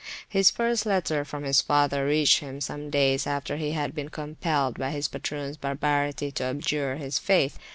His first letter from his father reached him some days after he had been compelled by his patroons barbarity to abjure his faith.